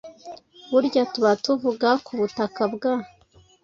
Burya tuba tuvuga ku butaka bwa